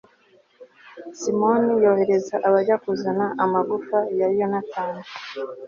simoni yohereza abajya kuzana amagufa ya yonatani